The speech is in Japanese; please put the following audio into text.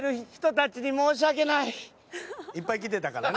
「いっぱい来てたからね」